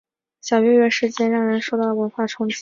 小月月事件让人感受到了网络文化的冲击力。